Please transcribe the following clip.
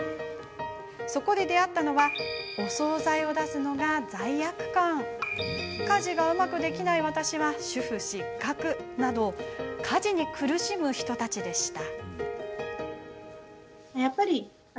そこで出会ったのはお総菜を出すのが罪悪感家事がうまくできない私は主婦失格、など家事に苦しむ人たちでした。